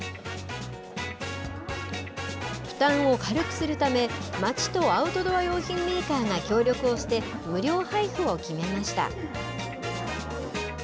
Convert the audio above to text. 負担を軽くするため町とアウトドア用品メーカーが協力をして無料配布を決めました。